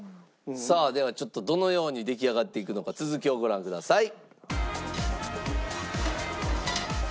さあではちょっとどのように出来上がっていくのか続きをご覧ください。